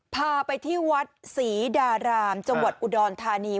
พาไปที่วัดศรีดารามจังหวัดอุดรธานี